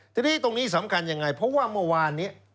ทีนี้ตรงนี้สำคัญยังไงเพราะว่าเมื่อวานนี้